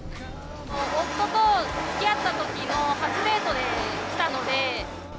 夫とつきあったときの初デートで来たので。